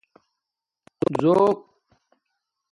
ڈݸق